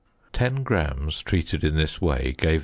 Ten grams treated in this way gave 0.